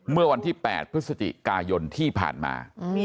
เมื่อวันที่๘พฤศจิกายนที่ผ่านมา